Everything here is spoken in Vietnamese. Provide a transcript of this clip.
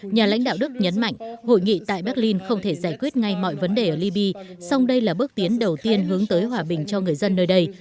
nhà lãnh đạo đức nhấn mạnh hội nghị tại berlin không thể giải quyết ngay mọi vấn đề ở libya song đây là bước tiến đầu tiên hướng tới hòa bình cho người dân nơi đây